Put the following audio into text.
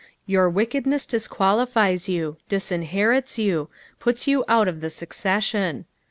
Your wickedneiiS dUquali^ra you, disinheritB you, puts you out of the succession.